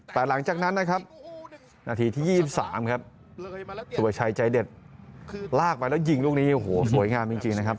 แต่หลังจากนั้นนะครับนาทีที่๒๓ครับสุประชัยใจเด็ดลากไปแล้วยิงลูกนี้โอ้โหสวยงามจริงนะครับ